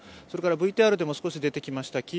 それから、ＶＴＲでも少し出てきました